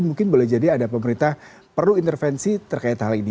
mungkin boleh jadi ada pemerintah perlu intervensi terkait hal ini